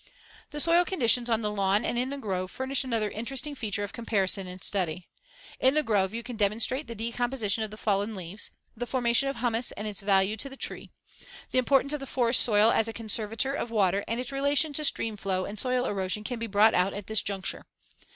The soil conditions on the lawn and in the grove furnish another interesting feature of comparison and study. In the grove, you can demonstrate the decomposition of the fallen leaves, the formation of humus and its value to the tree. The importance of the forest soil as a conservator of water and its relation to stream flow and soil erosion can be brought out at this juncture.